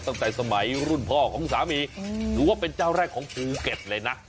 ตั้งแต่สมัยรุ่นพ่อของสามีหรือว่าเป็นเจ้าแรกของภูเก็ตเลยนะ